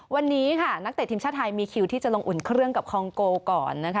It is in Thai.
วันนี้ค่ะนักเตะทีมชาติไทยมีคิวที่จะลงอุ่นเครื่องกับคองโกก่อนนะคะ